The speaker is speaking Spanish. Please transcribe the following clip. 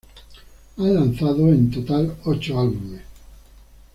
Han lanzado en total ocho álbumes.